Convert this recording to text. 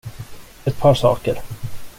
Ett par saker.